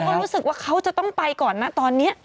ก็รู้สึกว่าเขาจะต้องไปก่อนนะตอนนี้